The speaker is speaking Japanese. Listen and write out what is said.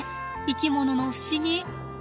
生き物の不思議。